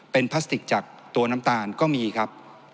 เป็นพลาสติกจากตัวน้ำตาลก็มีครับ